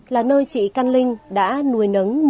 là nơi chị căn linh đã nuôi nấng